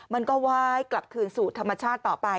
มันก็วายกลับขึ้นสูตรธรรมชาติต่อไป